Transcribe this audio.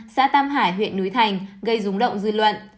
xã tam hải huyện núi thành gây rúng động dư luận